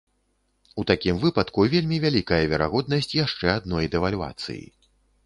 У такім выпадку вельмі вялікая верагоднасць яшчэ адной дэвальвацыі.